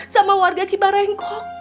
sama warga cibarengkok